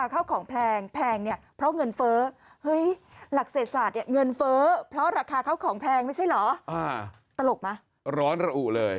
ใช่ค่ะค่ะ